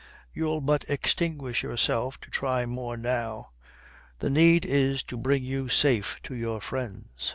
You'll but extinguish yourself to try more now. The need is to bring you safe to your friends."